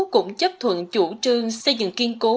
cũng chấp thuận chủ trương xây dựng kiên cố